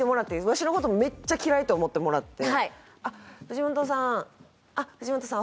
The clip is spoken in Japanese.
わしのことめっちゃ嫌いと思ってもらって藤本さんあっ藤本さん